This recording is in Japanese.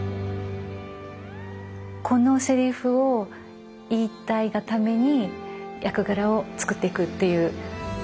このセリフを言いたいがために役柄をつくっていくっていう。